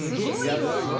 すごいわ。